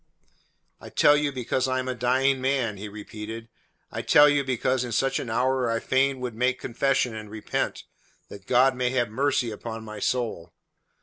"I tell you because I am a dying man," he repeated. "I tell it you because in such an hour I fain would make confession and repent, that God may have mercy upon my soul.